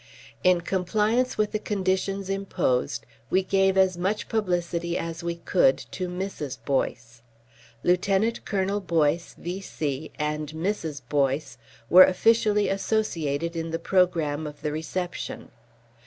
In compliance with the conditions imposed, we gave as much publicity as we could to Mrs. Boyce. Lieutenant Colonel Boyce, V.C., and Mrs. Boyce were officially associated in the programme of the reception.